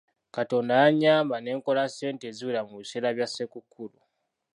Katonda yannyamba ne nkola ssente eziwera mu biseera bya Ssekukkulu.